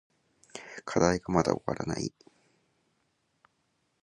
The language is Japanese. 課題がまだ終わらない。